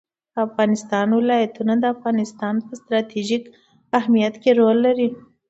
د افغانستان ولايتونه د افغانستان په ستراتیژیک اهمیت کې رول لري.